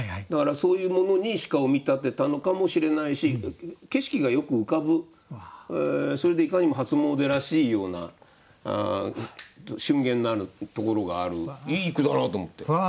だからそういうものに鹿を見立てたのかもしれないし景色がよく浮かぶそれでいかにも初詣らしいようなしゅん厳なるところがあるいい句だなと思って。